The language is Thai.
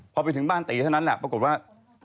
พอไปถึงบ้านตีเท่านั้นแหละปรากฏว่า